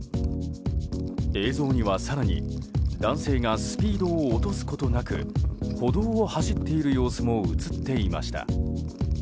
映像には、更に男性がスピードを落とすことなく歩道を走っている様子も映っていました。